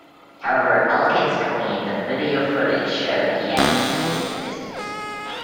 However, Elkins claimed that video footage showed he had exceeded the distance.